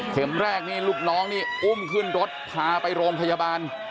แรกนี่ลูกน้องนี่อุ้มขึ้นรถพาไปโรงพยาบาล